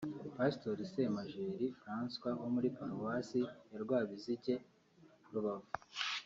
Pastori Semajeri Francois wo muri Paruwasi ya Ryabizige (Rubavu)